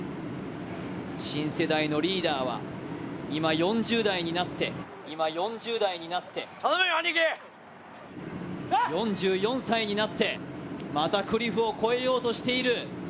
新世代のリーダーは今４０代になって４４歳になって、またクリフを越えようとしている。